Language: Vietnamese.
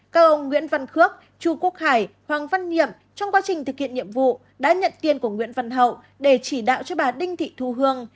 các ông nguyễn văn khước chu quốc hải hoàng văn nhiệm trong quá trình thực hiện nhiệm vụ đã nhận tiền của nguyễn văn hậu để chỉ đạo cho bà đinh thị thu hương